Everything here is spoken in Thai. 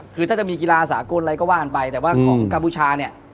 คือถ้าจะมีกีฬาสากลอะไรก็ว่ากันไปแต่ว่าของกัมพูชาเนี่ย